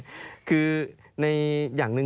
ใช่คืออย่างหนึ่ง